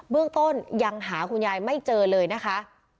เรื่องต้นยังหาคุณยายไม่เจอเลยนะคะ